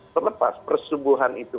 selepas persetubuhan itu